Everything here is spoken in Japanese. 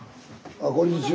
あこんにちは。